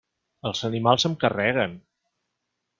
Els animals em carreguen.